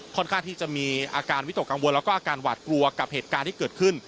ข้างที่จะมีอาการวิตกกังวลแล้วก็อาการหวาดกลัวกับเหตุการณ์ที่เกิดขึ้น